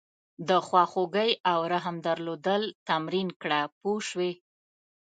د خواخوږۍ او رحم درلودل تمرین کړه پوه شوې!.